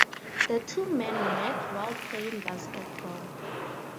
The two men met while playing basketball.